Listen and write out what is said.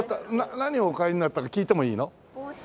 何をお買いになったか聞いてもいいの？